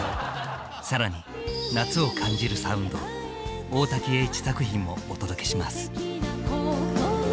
更に夏を感じるサウンド大滝詠一作品もお届けします。